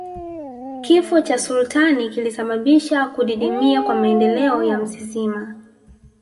Kifo cha sultani kilisababisha kudidimia kwa maendeleo ya mzizima